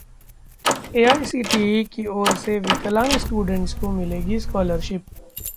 AICTE की ओर से विकलांग स्टूडेंट्स को मिलेगी स्कॉलरशिप